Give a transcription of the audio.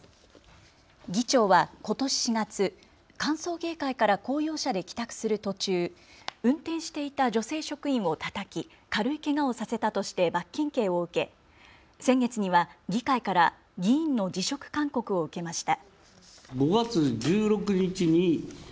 議長はことし４月、歓送迎会から公用車で帰宅する途中、運転していた女性職員をたたき軽いけがをさせたとして罰金刑を受け先月には議会から議員の辞職勧告を受けました。